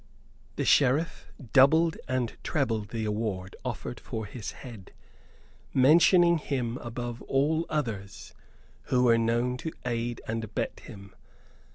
The Sheriff doubled and trebled the reward offered for his head, mentioning him above all others who were known to aid and abet him.